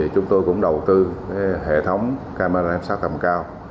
chúng tôi cũng đầu tư hệ thống camera m sáu tầm cao